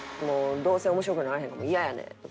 「どうせ面白くならへんから嫌やねん」とか。